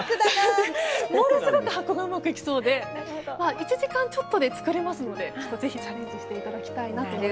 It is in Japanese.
ものすごく発酵がうまくいきそうで１時間ちょっとで作れますのでチャレンジしていただきたいなと。